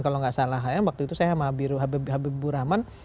kalau nggak salah waktu itu saya sama habibur rahman